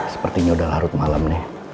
sepertinya udah larut malam nih